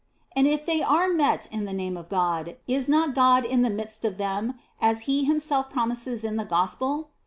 And if they are met in the name of God, is not God in the midst of them, as He Himself promises in the Gospel?